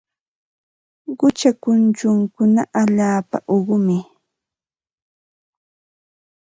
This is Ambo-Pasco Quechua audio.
Qucha kuchunkuna allaapa uqumi.